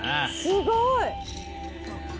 すごい！